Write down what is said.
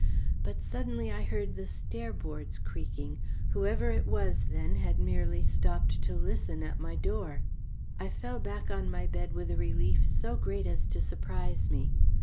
But suddenly I heard the stair boards creaking. Whoever it was then, had merely stopped to listen at my door. I fell back on my bed with a relief so great as to surprise me.